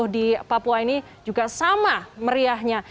di papua ini juga sama meriahnya